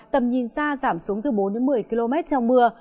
tầm nhìn xa giảm xuống từ bốn một mươi km trong mưa